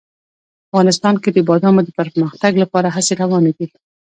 افغانستان کې د بادامو د پرمختګ لپاره هڅې روانې دي.